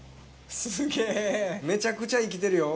すげえ、めちゃくちゃ生きてるよ。